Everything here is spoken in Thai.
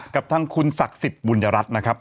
กับทางคุณศักดิ์สิทธิ์บุญรัฐนะครับ